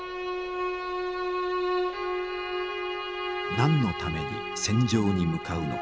何のために戦場に向かうのか。